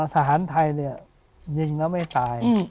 ทหารไทยเนี่ยยิงแล้วไม่ตาย